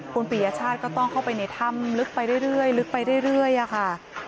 คุณผียชาติต้องเข้าไปในถ้ำลึกไปได้ด้วยลึกไปได้ด้วยค่ะ